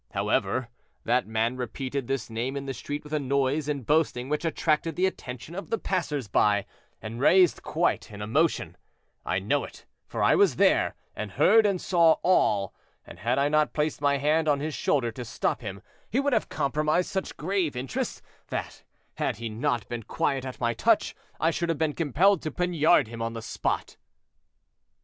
However, that man repeated this name in the street with a noise and boasting which attracted the attention of the passers by and raised quite an emotion; I know it, for I was there, and heard and saw all, and had I not placed my hand on his shoulder to stop him, he would have compromised such grave interests, that, had he not been quiet at my touch, I should have been compelled to poniard him on the spot."